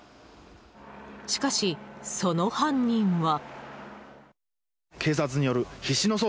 しかし、その犯人は。